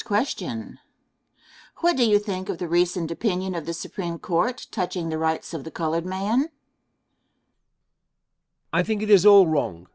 Question. What do you think of the recent opinion of the Supreme Court touching the rights of the colored man? Answer. I think it is all wrong.